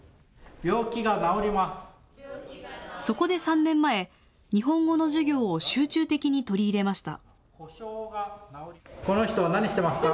そこで３年前、日本語の授業を集中的に取り入れました。